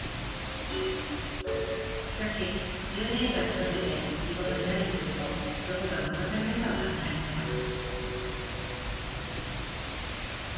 しかし１０年間勤めて仕事に慣れてくるとどこかもの足りなさを感じ始めます。